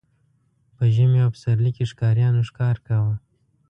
په ژمي او پسرلي کې ښکاریانو ښکار کاوه.